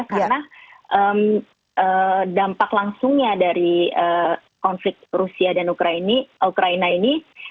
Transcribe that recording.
karena dampak langsungnya dari konflik rusia dan ukraina ini